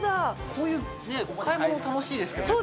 こういう買い物楽しいですけどね